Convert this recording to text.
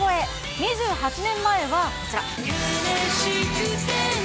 ２８年前は、こちら。